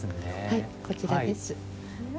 はいこちらです。